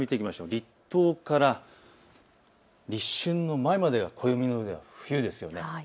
立冬から立春の前まで暦の上では冬です。